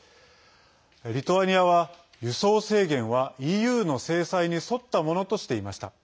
リトアニアは、輸送制限はＥＵの制裁に沿ったものとしていました。